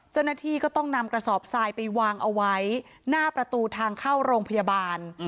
เจ้าหน้าที่ก็ต้องนำกระสอบทรายไปวางเอาไว้หน้าประตูทางเข้าโรงพยาบาล